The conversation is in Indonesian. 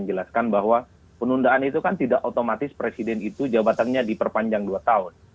jelaskan bahwa penundaan itu kan tidak otomatis presiden itu jabatannya diperpanjang dua tahun